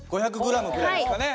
５００ｇぐらいですかね？